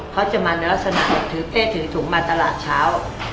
เขาจะมาเนอรสนาดิวถือเต้ยถือถุงมาตลาดเช้า